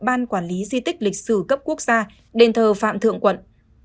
ban quản lý di tích lịch sử cấp quốc gia đền thờ phạm thượng quận